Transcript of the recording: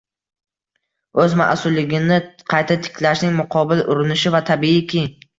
- o‘z mas’ulligini qayta tiklashning muqobil urinishi va tabiiyki